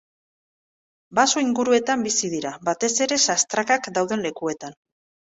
Baso inguruetan bizi dira, batez ere sastrakak dauden lekuetan.